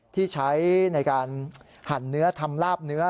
ที่ใช้ในการหั่นเนื้อทำลาบเนื้อ